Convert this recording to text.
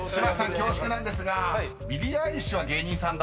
恐縮なんですがビリー・アイリッシュは芸人さんだと？］